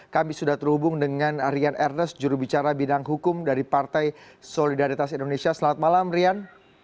kami sudah terhubung dengan rian ernest jurubicara bidang hukum dari partai solidaritas indonesia selamat malam rian